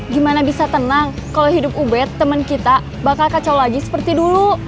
gimana bisa tenang kalau hidup ubed teman kita bakal kacau lagi seperti dulu